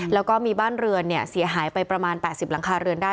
แล้วก็มีบ้านเรือนเสียหายไปประมาณ๘๐หลังคาเรือนได้